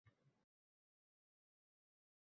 Xo‘p, ko‘zingni yumib yotgin-da, eshit...